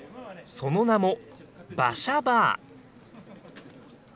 その名も馬車バー。